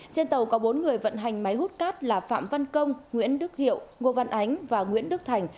trên tàu có bốn người vận hành máy hút cát là phạm văn công nguyễn đức hiệu ngô văn ánh và nguyễn đức thành